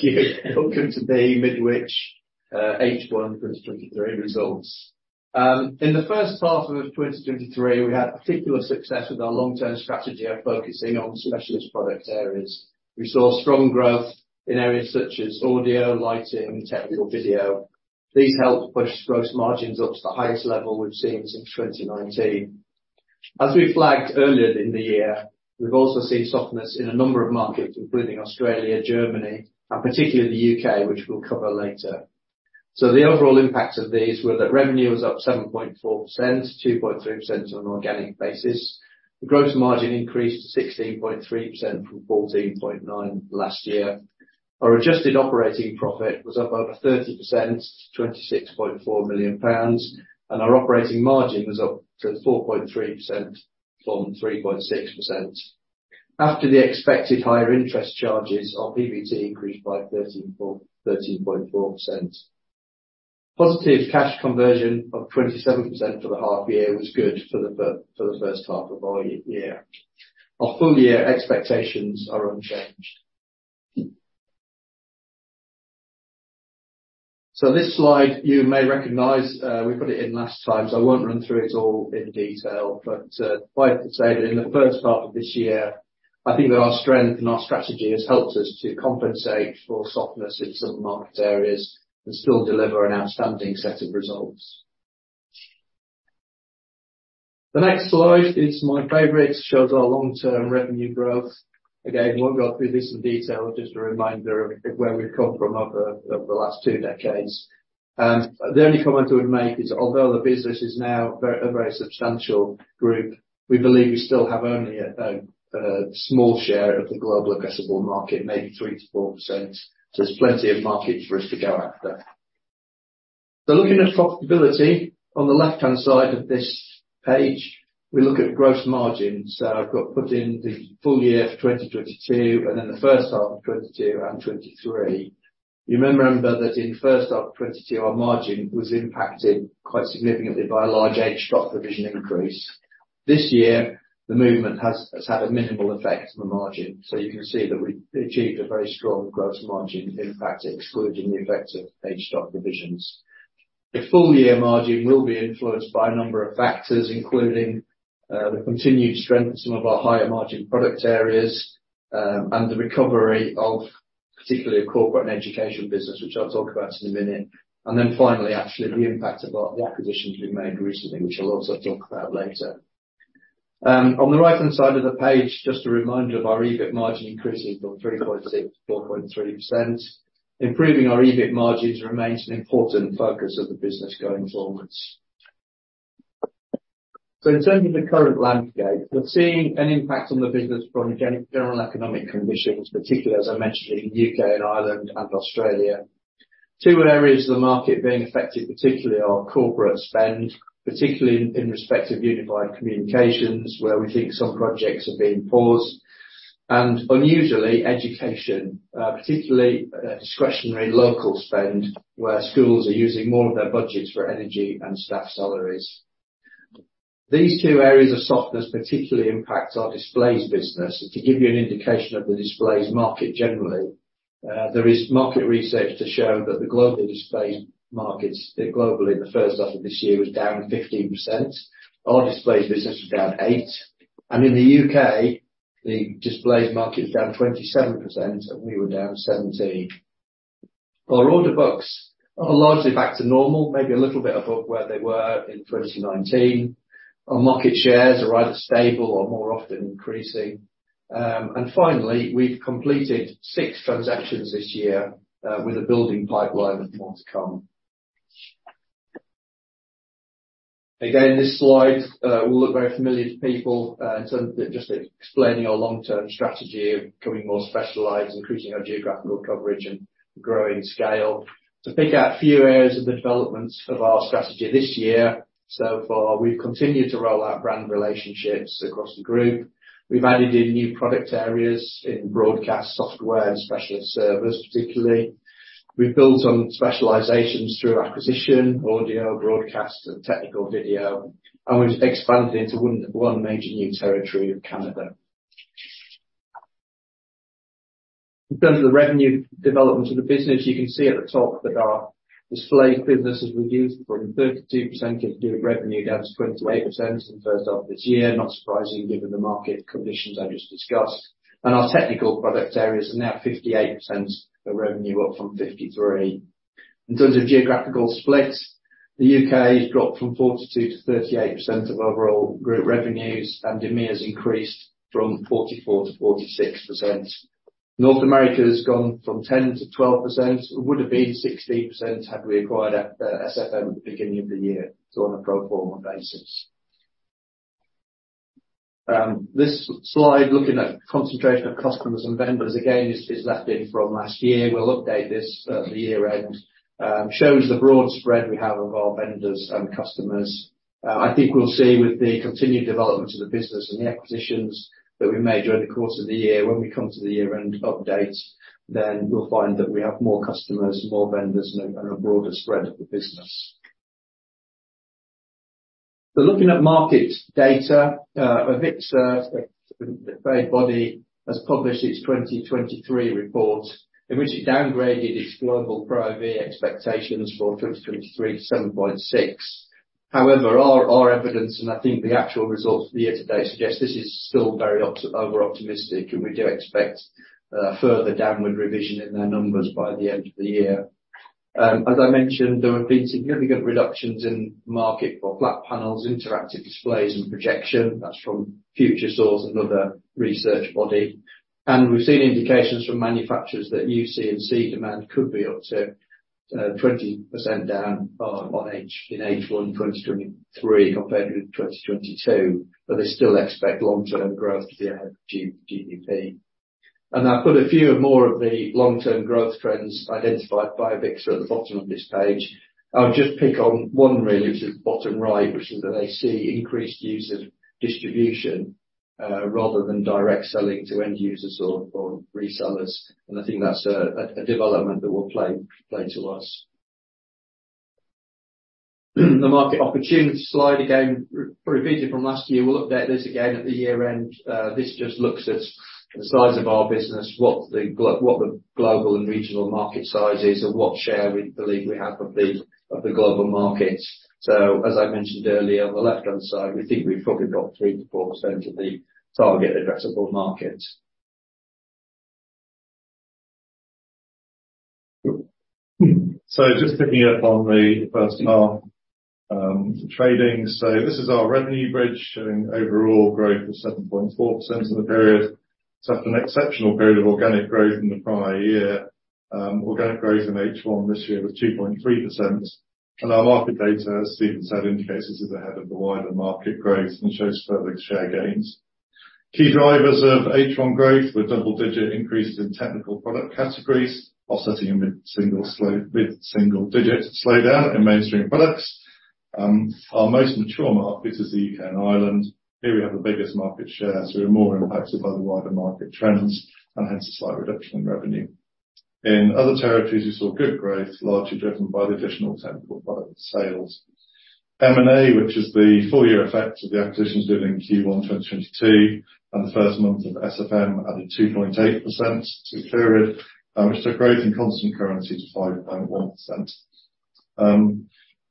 Thank you. Welcome to the Midwich H1 2023 results. In the first half of 2023, we had particular success with our long-term strategy of focusing on specialist product areas. We saw strong growth in areas such as audio, lighting, and technical video. These helped push gross margins up to the highest level we've seen since 2019. As we flagged earlier in the year, we've also seen softness in a number of markets, including Australia, Germany, and particularly the U.K., which we'll cover later. So the overall impact of these were that revenue was up 7.4%, 2.3% on an organic basis. The gross margin increased to 16.3% from 14.9% last year. Our adjusted operating profit was up over 30% to 26.4 million pounds, and our operating margin was up to 4.3% from 3.6%. After the expected higher interest charges, our PBT increased by 13.4%. Positive cash conversion of 27% for the half year was good for the first half of our year. Our full year expectations are unchanged. This slide, you may recognize, we put it in last time, so I won't run through it all in detail, but suffice to say that in the first half of this year, I think that our strength and our strategy has helped us to compensate for softness in some market areas and still deliver an outstanding set of results. The next slide is my favorite. It shows our long-term revenue growth. Again, I won't go through this in detail, just a reminder of where we've come from over the last two decades. The only comment I would make is, although the business is now very a very substantial group, we believe we still have only a small share of the global addressable market, maybe 3%-4%. So there's plenty of markets for us to go after. So looking at profitability, on the left-hand side of this page, we look at gross margins. So I've got put in the full year for 2022, and then the first half of 2022 and 2023. You may remember that in the first half of 2022, our margin was impacted quite significantly by a large AV stock provision increase. This year, the movement has had a minimal effect on the margin, so you can see that we achieved a very strong gross margin, in fact, excluding the effect of aged stock provisions. The full year margin will be influenced by a number of factors, including the continued strength of some of our higher margin product areas, and the recovery of particularly the corporate and education business, which I'll talk about in a minute. And then finally, actually, the impact of the acquisitions we've made recently, which I'll also talk about later. On the right-hand side of the page, just a reminder of our EBIT margin increasing from 3.6%-4.3%. Improving our EBIT margins remains an important focus of the business going forwards. So in terms of the current landscape, we're seeing an impact on the business from general economic conditions, particularly, as I mentioned, in the. and Ireland and Australia. Two areas of the market being affected, particularly, are corporate spend, particularly in respect of unified communications, where we think some projects are being paused, and unusually, education, particularly, discretionary local spend, where schools are using more of their budgets for energy and staff salaries. These two areas of softness particularly impact our displays business. To give you an indication of the displays market generally, there is market research to show that the global display markets, globally, in the first half of this year, was down 15%. Our displays business was down 8%, and in the U.K., the displays market was down 27%, and we were down 17%. Our order books are largely back to normal, maybe a little bit above where they were in 2019. Our market shares are either stable or more often increasing. And finally, we've completed 6 transactions this year, with a building pipeline of more to come. Again, this slide will look very familiar to people in terms of just explaining our long-term strategy of becoming more specialized, increasing our geographical coverage, and growing scale. To pick out a few areas of the development of our strategy this year so far, we've continued to roll out brand relationships across the group. We've added in new product areas in broadcast software and specialist servers, particularly. We've built on specializations through acquisition, audio, broadcast, and technical video, and we've expanded into one major new territory of Canada. In terms of the revenue development of the business, you can see at the top that our display business has reduced from 32% of revenue down to 28% in the first half of this year. Not surprising, given the market conditions I just discussed. Our technical product areas are now 58% of revenue, up from 53%. In terms of geographical splits, the UK has dropped from 42%-38% of overall group revenues, and EMEA has increased from 44%-46%. North America has gone from 10%-12%. It would have been 16% had we acquired SFM at the beginning of the year, so on a pro forma basis. This slide, looking at concentration of customers and vendors, again, this is left in from last year. We'll update this at the year-end. shows the broad spread we have of our vendors and customers. I think we'll see with the continued development of the business and the acquisitions that we made during the course of the year, when we come to the year-end update, then we'll find that we have more customers, more vendors, and a broader spread of the business... So looking at market data, AVIXA, a trade body, has published its 2023 report, in which it downgraded its global Pro AV expectations for 2023 to 7.6. However, our evidence, and I think the actual results for the year to date, suggest this is still very overoptimistic, and we do expect further downward revision in their numbers by the end of the year. As I mentioned, there have been significant reductions in market for flat panels, interactive displays, and projection. That's from Futuresource, another research body. We've seen indications from manufacturers that new C&E demand could be up to 20% down in H1 2023 compared to 2022, but they still expect long-term growth to be ahead of GDP. I've put a few of more of the long-term growth trends identified by AVIXA at the bottom of this page. I'll just pick on one really, which is bottom right, which is that they see increased use of distribution rather than direct selling to end users or resellers. I think that's a development that will play to us. The market opportunity slide, again, repeated from last year. We'll update this again at the year end. This just looks at the size of our business, what the global and regional market size is, and what share we believe we have of the global market. So, as I mentioned earlier, on the left-hand side, we think we've probably got 3%-4% of the target addressable market. Just picking up on the first half, trading. This is our revenue bridge, showing overall growth of 7.4% over the period. After an exceptional period of organic growth in the prior year, organic growth in H1 this year was 2.3%. Our market data, as Stephen said, indicates this is ahead of the wider market growth and shows further share gains. Key drivers of H1 growth were double-digit increases in technical product categories, offsetting a mid-single-digit slowdown in mainstream products. Our most mature market is the U.K. and Ireland. Here, we have the biggest market share, so we're more impacted by the wider market trends, and hence a slight reduction in revenue. In other territories, we saw good growth, largely driven by the additional technical product sales. M&A, which is the full year effect of the acquisitions during Q1 2022, and the first month of SFM, added 2.8% to the period, which took growth in constant currency to 5.1%.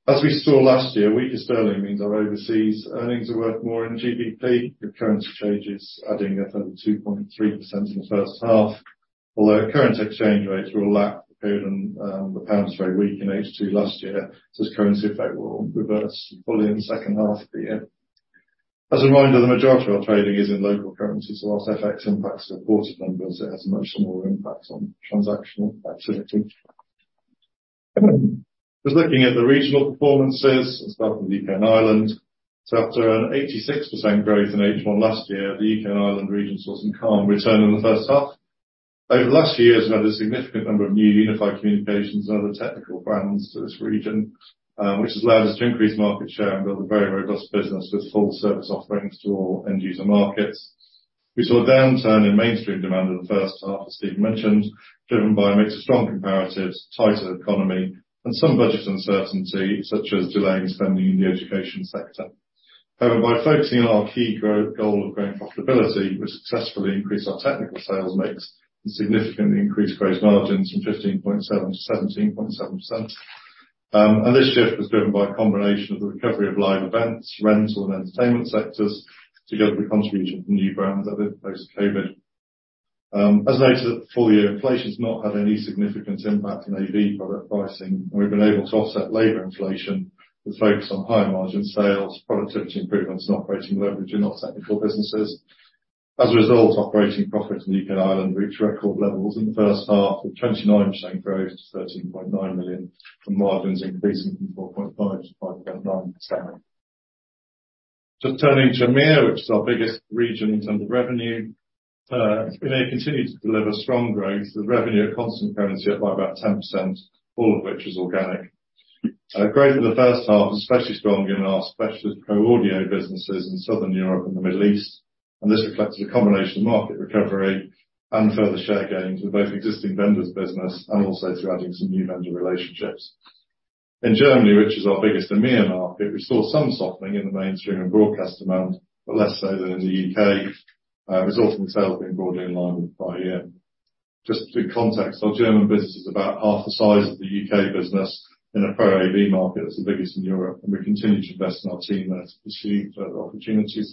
As we saw last year, weaker sterling means our overseas earnings are worth more in GBP, with currency changes adding a further 2.3% in the first half. Although current exchange rates will lap the period, the pound was very weak in H2 last year, so this currency effect will reverse fully in the second half of the year. As a reminder, the majority of our trading is in local currency, so while FX impacts the numbers, it has a much smaller impact on transactional activity. Just looking at the regional performances, let's start with the U.K. and Ireland. So after an 86% growth in H1 last year, the U.K. and Ireland region saw some calm return in the first half. Over the last few years, we've had a significant number of new unified communications and other technical brands to this region, which has allowed us to increase market share and build a very robust business with full service offerings to all end user markets. We saw a downturn in mainstream demand in the first half, as Steve mentioned, driven by a mix of strong comparatives, tighter economy, and some budget uncertainty, such as delaying spending in the education sector. However, by focusing on our key goal of growing profitability, we successfully increased our technical sales mix and significantly increased gross margins from 15.7% to 17.7%. and this shift was driven by a combination of the recovery of live events, rental, and entertainment sectors, together with contribution from new brands that have been post-COVID. As noted, for the year, inflation's not had any significant impact on AV product pricing. We've been able to offset labor inflation with focus on higher margin sales, productivity improvements, and operating leverage in our technical businesses. As a result, operating profits in the U.K. and Ireland reached record levels in the first half, with 29% growth to 13.9 million, from margins increasing from 4.5%-5.9%. Just turning to EMEA, which is our biggest region in terms of revenue. EMEA continued to deliver strong growth, with revenue at constant currency up by about 10%, all of which is organic. Growth in the first half is especially strong in our specialist pro audio businesses in Southern Europe and the Middle East, and this reflects a combination of market recovery and further share gains with both existing vendors' business and also through adding some new vendor relationships. In Germany, which is our biggest EMEA market, we saw some softening in the mainstream and broadcast demand, but less so than in the U.K. Reported sales have been broadly in line with prior year. Just for context, our German business is about half the size of the U.K. business in a Pro AV market that's the biggest in Europe, and we continue to invest in our team there to pursue further opportunities.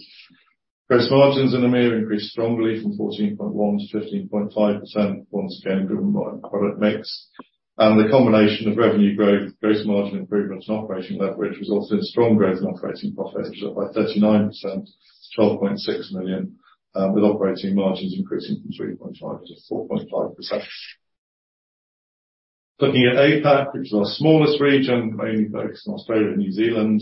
Gross margins in EMEA increased strongly from 14.1%-15.5%, once again, driven by product mix. And the combination of revenue growth, gross margin improvements, and operating leverage resulted in strong growth in operating profits, up by 39% to 12.6 million, with operating margins increasing from 3.5% to 4.5%. Looking at APAC, which is our smallest region, mainly focused on Australia and New Zealand.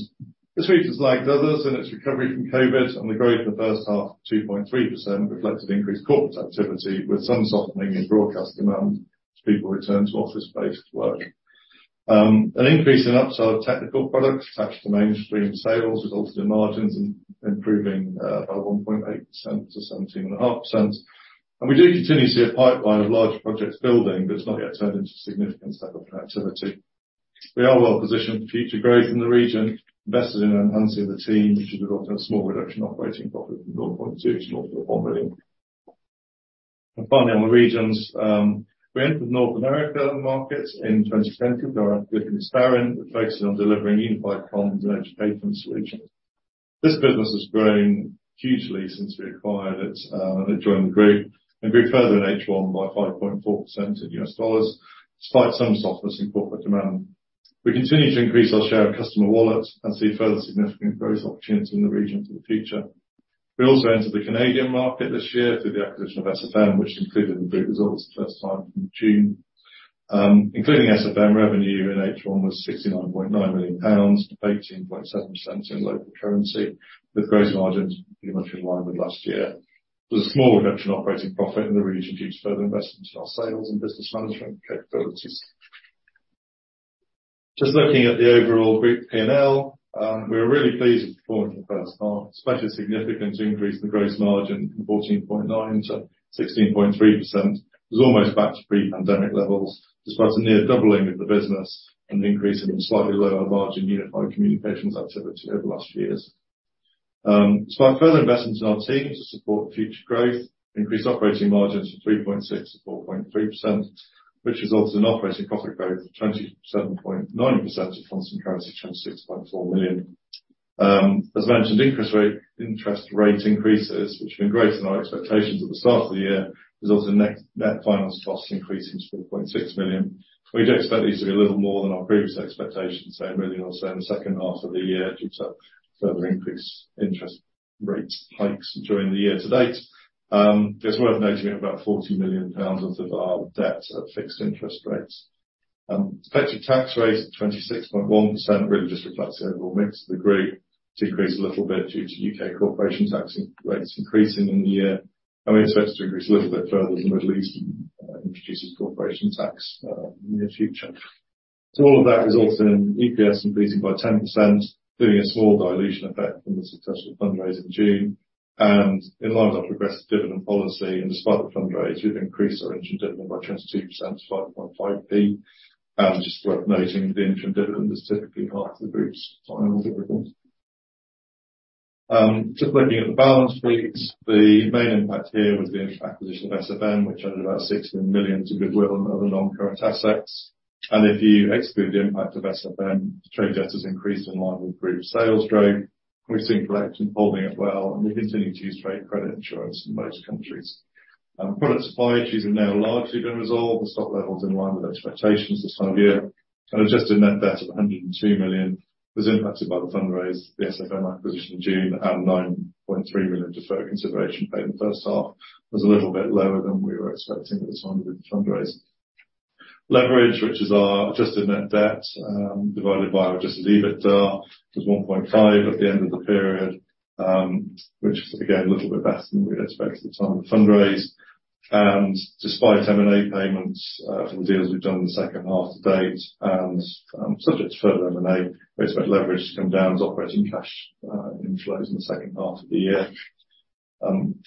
This region is like others in its recovery from COVID, and the growth in the first half, 2.3%, reflected increased corporate activity, with some softening in broadcast demand as people return to office-based work. An increase in upsell of technical products attached to mainstream sales resulted in margins improving by 1.8% to 17.5%. And we do continue to see a pipeline of large projects building, but it's not yet turned into significant level of activity. We are well positioned for future growth in the region, invested in enhancing the team, which has resulted in a small reduction in operating profit from 0.2 million to 0.1 million. Finally, on the regions, we entered the North America markets in 2020 with our acquisition of. We're focusing on delivering unified comms and endpoint solutions. This business has grown hugely since we acquired it, and it joined the group, and grew further in H1 by 5.4% in U.S. dollars, despite some softness in corporate demand. We continue to increase our share of customer wallets and see further significant growth opportunities in the region for the future. We also entered the Canadian market this year through the acquisition of SFM, which included in the group results first time in June. Including SFM, revenue in H1 was 69.9 million pounds, up 18.7% in local currency, with gross margins pretty much in line with last year. There was a small reduction in operating profit in the region, due to further investments in our sales and business management capabilities. Just looking at the overall group P&L, we were really pleased with the performance in the first half, especially the significant increase in the gross margin from 14.9%-16.3%. It was almost back to pre-pandemic levels, despite a near doubling of the business and an increase in the slightly lower margin unified communications activity over the last few years. Despite further investments in our team to support future growth, increased operating margins from 3.6%-4.3%, which resulted in operating profit growth of 27.9% in constant currency to 26.4 million. As mentioned, interest rate increases, which have been greater than our expectations at the start of the year, has also net finance costs increasing to 4.6 million. We do expect these to be a little more than our previous expectations, say 1 million or so in the second half of the year, due to further increased interest rate hikes during the year to date. It's worth noting about 40 million pounds of our debt is at fixed interest rates. Effective tax rate is 26.1%, really just reflects the overall mix of the group. It's decreased a little bit due to UK corporation tax rates increasing in the year, and we expect it to increase a little bit further the Middle East introduces corporation tax in the near future. So all of that results in EPS increasing by 10%, doing a small dilution effect from the successful fundraise in June, and in line with our progressive dividend policy, and despite the fundraise, we've increased our interim dividend by 22% to 5.5p. Just worth noting, the interim dividend is typically half the group's final dividend. Just looking at the balance sheets, the main impact here was the acquisition of SFM, which added about 16 million to goodwill and other non-current assets. If you exclude the impact of SFM, trade debt has increased in line with group sales growth. We've seen collection holding up well, and we continue to use trade credit insurance in most countries. Product supply issues have now largely been resolved, with stock levels in line with expectations this time of year. Adjusted net debt of 102 million was impacted by the fundraise, the SFM acquisition in June, and 9.3 million deferred consideration paid in the first half. It was a little bit lower than we were expecting at the time of the fundraise. Leverage, which is our adjusted net debt divided by our adjusted EBITDA, was 1.5 at the end of the period, which is again, a little bit better than we had expected at the time of the fundraise. And despite M&A payments from the deals we've done in the second half to date, and subject to further M&A, we expect leverage to come down as operating cash inflows in the second half of the year.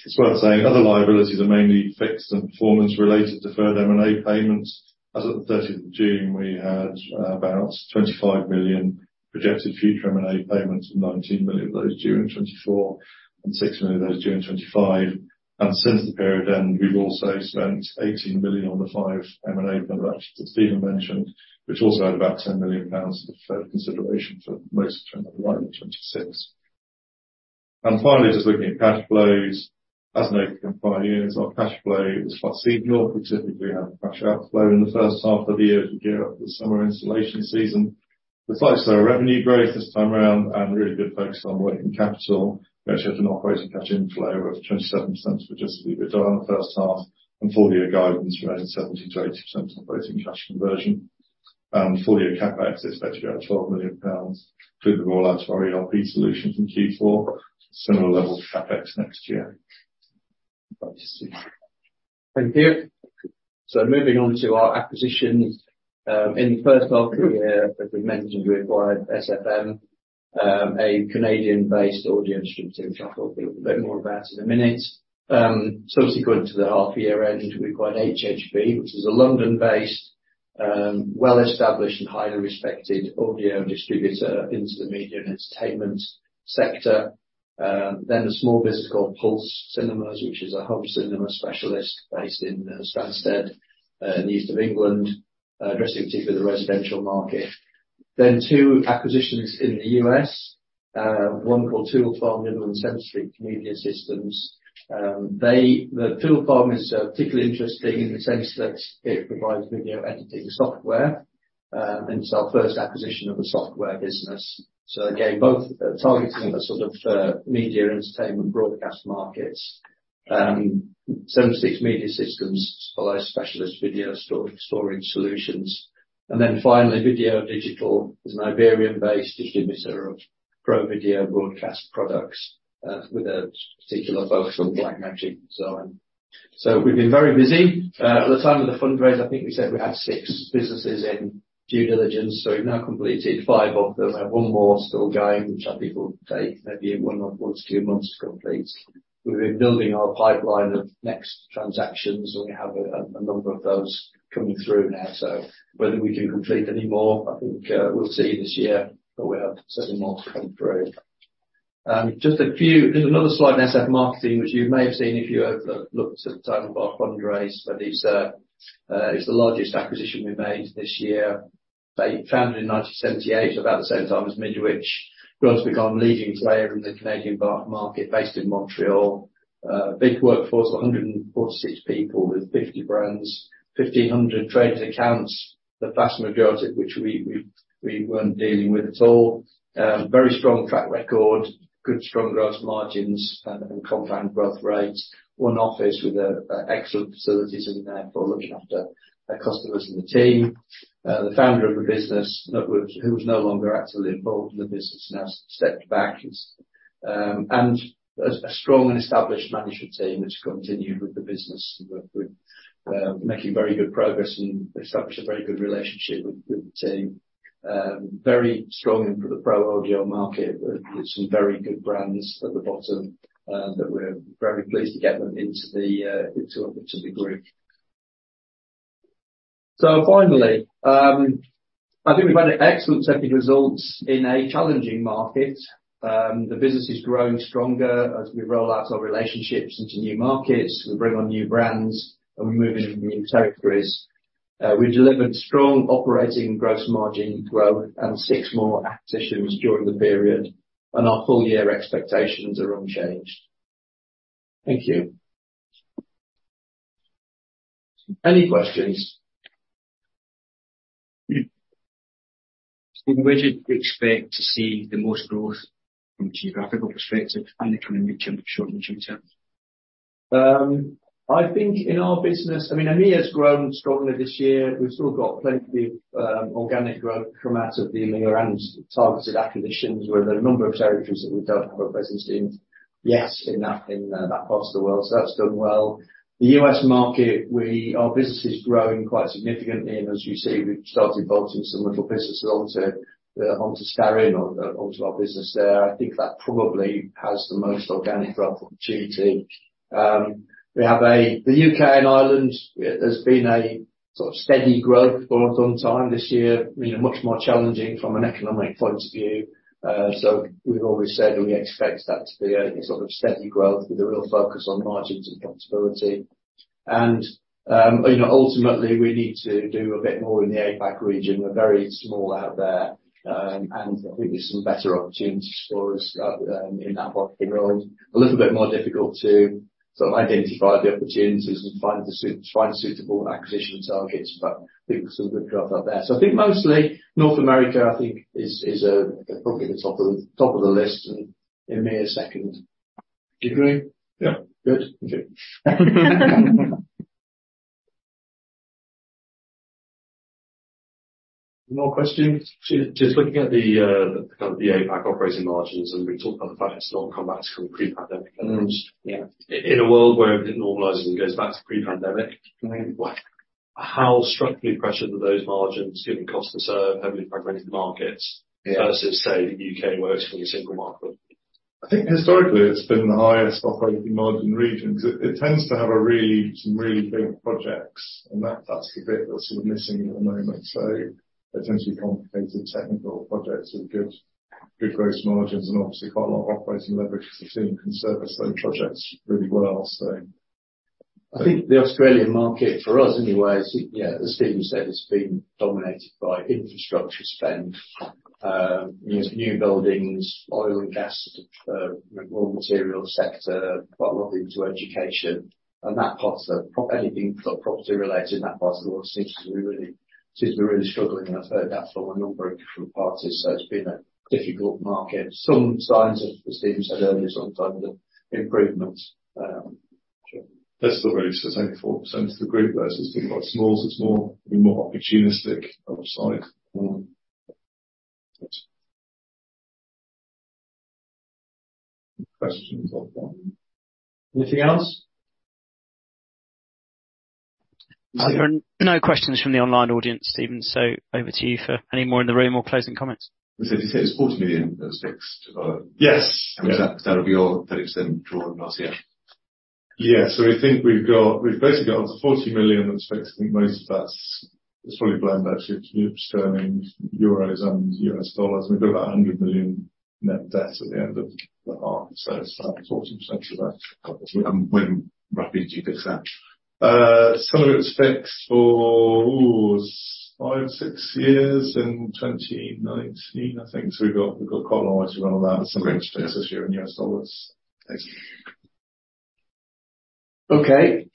It's worth saying other liabilities are mainly fixed and performance-related deferred M&A payments. As at the 30th of June, we had about 25 million projected future M&A payments, and 19 million of those due in 2024, and 6 million of those due in 2025. And since the period end, we've also spent 18 million on the 5 M&A transactions that Stephen mentioned, which also had about 10 million pounds of deferred consideration for most of them arriving in 2026. And finally, just looking at cash flows, as noted in prior years, our cash flow is quite seasonal. We typically have a cash outflow in the first half of the year as we gear up for the summer installation season. The slightly slower revenue growth this time around and really good focus on working capital, which has an operating cash inflow of 27%, which is EBITDA in the first half, and full-year guidance around 70%-80% operating cash conversion. Full-year CapEx is expected to be at 12 million pounds, including the roll out to our ERP solution in Q4. Similar level to CapEx next year. Thank you. So moving on to our acquisitions. In the first half of the year, as we mentioned, we acquired SFM, a Canadian-based audio distributor, which I'll talk a bit more about in a minute. Subsequent to the half year end, we acquired HHB, which is a London-based, well-established and highly respected audio distributor into the media and entertainment sector. Then a small business called Pulse Cinemas, which is a home cinema specialist based in Stansted, in the east of England, addressing particularly the residential market. Then two acquisitions in the US, one called Toolfarm and 76 Media Systems. The Toolfarm is particularly interesting in the sense that it provides video editing software, and it's our first acquisition of a software business. So again, both targeting the sort of media, entertainment, broadcast markets. 76 Media Systems supplies specialist video storage solutions. Then finally, Video Cine Import is an Iberian-based distributor of pro video broadcast products, with a particular focus on Blackmagic Design. So we've been very busy. At the time of the fundraise, I think we said we had six businesses in due diligence, so we've now completed five of them, and one more still going, which I think will take maybe one or two months to complete. We've been building our pipeline of next transactions, and we have a number of those coming through now. So whether we do complete any more, I think, we'll see this year, but we have several more coming through. Just a few. There's another slide on SF Marketing, which you may have seen if you have looked at the time of our fundraise, but it's the largest acquisition we made this year. They founded in 1978, about the same time as Midwich. Growth has become a leading player in the Canadian AV market, based in Montreal. Big workforce, 146 people with 50 brands, 1,500 trading accounts, the vast majority of which we weren't dealing with at all. Very strong track record, good strong gross margins, and compound growth rates. One office with excellent facilities in there for looking after their customers and the team. The founder of the business, who was no longer actively involved in the business, now has stepped back. And there's a strong and established management team, which continued with the business. We're making very good progress and established a very good relationship with the team. Very strong in the pro audio market, with some very good brands at the bottom that we're very pleased to get them into the group. So finally, I think we've had excellent second results in a challenging market. The business is growing stronger as we roll out our relationships into new markets, we bring on new brands, and we move into new territories. We've delivered strong operating gross margin growth and 6 more acquisitions during the period, and our full year expectations are unchanged. Thank you. Any questions? Stephen, where do you expect to see the most growth from a geographical perspective and in the medium, short and medium term? I think in our business, I mean, EMEA has grown strongly this year. We've still got plenty of organic growth come out of dealing around targeted acquisitions, where there are a number of territories that we don't have a presence in. Yes, in that, in, that part of the world. So that's done well. The U.S. market, our business is growing quite significantly, and as you see, we've started bolting some little businesses onto Starin, onto our business there. I think that probably has the most organic growth opportunity. We have the U.K. and Ireland, there's been a sort of steady growth for us on time this year. You know, much more challenging from an economic point of view. So we've always said we expect that to be a sort of steady growth with a real focus on margins and profitability. And you know, ultimately, we need to do a bit more in the APAC region. We're very small out there, and I think there's some better opportunities for us in that part of the world. A little bit more difficult to sort of identify the opportunities and find suitable acquisition targets, but I think some good growth out there. So I think mostly North America, I think is probably the top of the list, and EMEA second. Do you agree? Yeah. Good. Okay. More questions? Just, just looking at the, kind of, the APAC operating margins, and we talked about the fact that it's not come back to kind of pre-pandemic. Mm-hmm. Yeah. In a world where everything normalizes and goes back to pre-pandemic- Meaning what How structurally pressured are those margins, given cost to serve heavily fragmented markets? Yeah versus, say, the UK works from a single market? I think historically, it's been the highest operating margin regions. It tends to have some really big projects, and that's the bit that's sort of missing at the moment. So it tends to be complicated technical projects with good gross margins and obviously quite a lot of operating leverage because the team can service those projects really well, so. I think the Australian market, for us anyway, is, yeah, as Stephen said, it's been dominated by infrastructure spend, you know, new buildings, oil and gas, raw material sector, quite a lot into education. And that part, anything sort of property-related, that part of the world seems to be really struggling, and I've heard that from a number of different parties, so it's been a difficult market. Some signs of, as Stephen said earlier, some signs of improvements... That's still really just only 4% of the group versus the quite small, so it's more opportunistic upside. Mm. Questions online. Anything else? There are no questions from the online audience, Stephen, so over to you for any more in the room or closing comments. Did you say it's 40 million that was fixed? Yes. Yes. Is that, that would be all that is then drawn last year? Yeah. So we've basically got up to 40 million and expect to think most of that's is fully blend actually into sterling, euros, and U.S. dollars. We've got about 100 million net debt at the end of the half, so it's about 40% of that. When roughly do you get that? Some of it was fixed for five to six years, in 2019, I think. So we've got, we've got quite a while to run on that. There's some space this year in U.S. dollars. Thank you. Okay.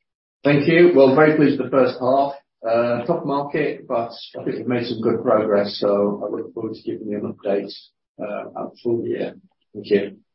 Thank you. We're very pleased with the first half. Tough market, but I think we've made some good progress, so I look forward to giving you an update at the full year. Thank you.